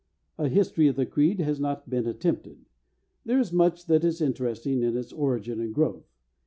A history of the Creed has not been attempted. There is much that is interesting in its origin and growth.